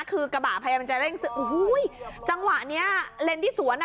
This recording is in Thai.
คือกระบะพยายามจะเร่งโอ้โหจังหวะเนี้ยเลนที่สวนอ่ะ